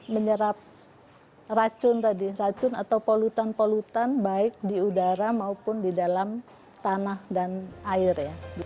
menyebabkan tanaman lidah mertua yang menyebabkan penyebaran racun atau polutan polutan baik di udara maupun di dalam tanah dan air